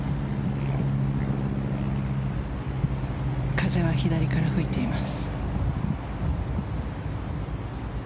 風は左から吹いています。